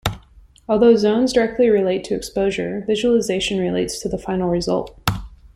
Although zones directly relate to exposure, visualization relates to the final result.